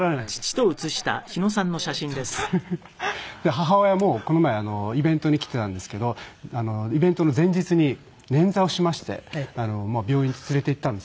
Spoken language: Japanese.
母親もこの前イベントに来ていたんですけどイベントの前日に捻挫をしまして病院に連れていったんですけど。